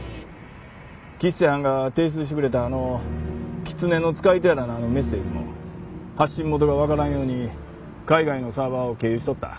吉瀬はんが提出してくれた狐の遣いとやらのメッセージも発信元がわからんように海外のサーバーを経由しとった。